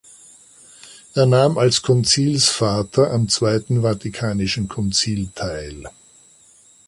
Er nahm als Konzilsvater am Zweiten Vatikanischen Konzil teil.